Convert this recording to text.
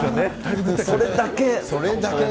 それだけ。